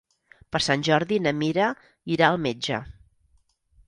Per Sant Jordi na Mira irà al metge.